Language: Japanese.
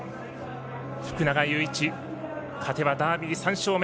福永祐一、勝てばダービー３勝目。